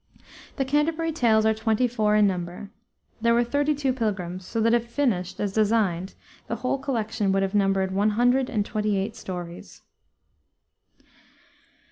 The Canterbury Tales are twenty four in number. There were thirty two pilgrims, so that if finished as designed the whole collection would have numbered one hundred and twenty eight stories.